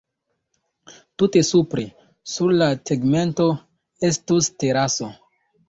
Tute supre, sur la “tegmento”, estus teraso.